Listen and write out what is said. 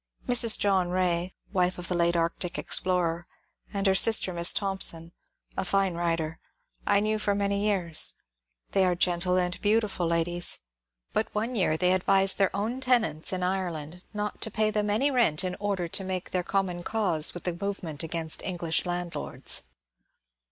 Mrs. John Rae (wife of the late Arctic explorer) and her sister. Miss Thompson, a fine writer, I knew for many years. They are genUe and beautiful ladies ; but one year they advised their own tenants in Ireland not to pay them any rent in order to make com mon cause with the movement against English landlords.